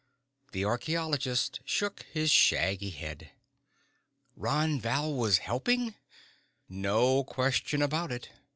The archeologist shook his shaggy head. "Ron Val was helping?" "No question about it.